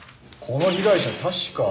この被害者確か。